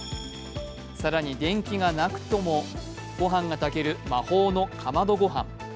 更に、電気がなくともご飯が炊ける魔法のかまどごはん。